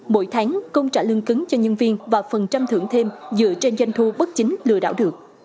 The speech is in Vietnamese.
mỗi tháng công trả lương cứng cho nhân viên và phần trăm thưởng thêm dựa trên doanh thu bất chính lừa đảo được